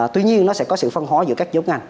tuy nhiên nó sẽ có sự phân hóa giữa các giống ngành